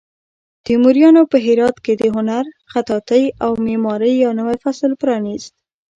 تیموریانو په هرات کې د هنر، خطاطۍ او معمارۍ یو نوی فصل پرانیست.